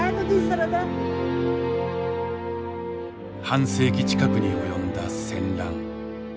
半世紀近くに及んだ戦乱。